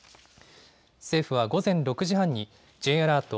政府は午前６時半に、Ｊアラート